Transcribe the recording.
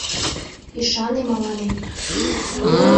Ӱшане мыланем: